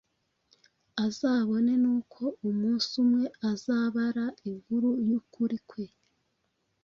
azabone n'uko umunsi umwe azabara inkuru y'ukuri kwe